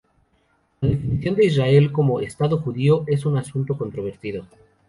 La definición de Israel como "Estado judío" es un asunto controvertido.